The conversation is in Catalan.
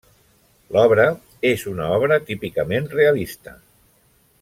L'obra és una obra típicament realista.